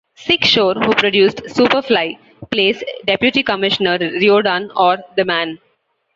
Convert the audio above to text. Sig Shore, who produced "Super Fly", plays Deputy Commissioner Riordan, or "The Man".